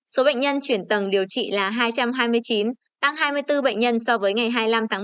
số bệnh nhân chuyển tầng điều trị là hai trăm hai mươi chín tăng hai mươi bốn bệnh nhân so với ngày hai mươi năm tháng một mươi hai